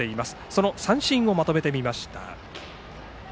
その三振をまとめてみました。